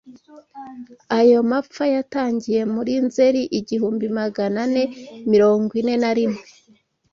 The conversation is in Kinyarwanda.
Ayo mapfa yatangiye muri Nzeri igihumbi Magana ane mirongo ine narimwe